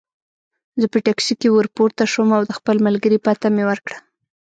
زه په ټکسي کې ورپورته شوم او د خپل ملګري پته مې ورکړه.